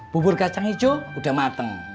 bubur kacang hijau udah mateng